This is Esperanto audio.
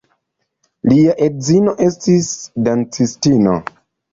Lia edzino estis dancistino.